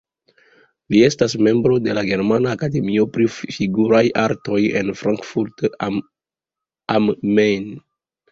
Li estas membro de la Germana akademio pri figuraj artoj en Frankfurt am Main.